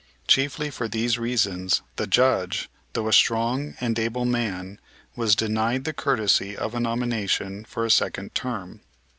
Chiefly for these reasons, the Judge, though a strong and able man, was denied the courtesy of a nomination for a second term.